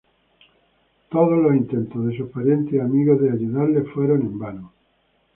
Todos los intentos de sus parientes y amigos de ayudarle fueron en vano.